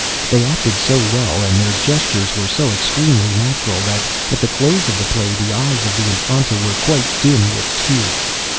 They acted so well, and their gestures were so extremely natural, that at the close of the play the eyes of the Infanta were quite dim with tears.